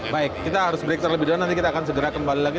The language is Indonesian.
baik kita harus break terlebih dahulu nanti kita akan segera kembali lagi